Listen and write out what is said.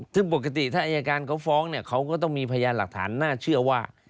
ซึ่งปกติถ้าอายการเขาฟ้องเนี่ยเขาก็ต้องมีพยานหลักฐานน่าเชื่อว่า